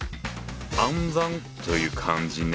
「暗算」という漢字ね。